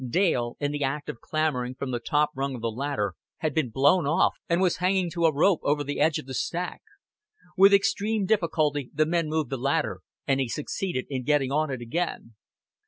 Dale, in the act of clambering from the top rung of the ladder, had been blown off, and was hanging to a rope over the edge of the stack. With extreme difficulty the men moved the ladder, and he succeeded in getting on it again.